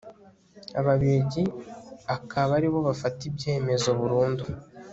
ababiligi akaba aribo bafata ibyemezo burundu